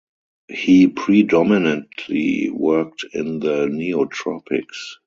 He predominantly worked in the Neotropics.